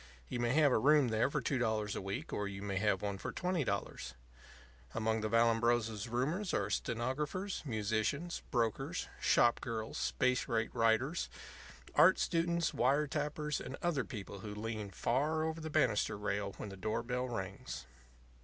You may have a room there for two dollars a week or you may have one for twenty dollars. Among the Vallambrosa's roomers are stenographers, musicians, brokers, shop girls, space rate writers, art students, wire tappers, and other people who lean far over the banister rail when the door bell rings.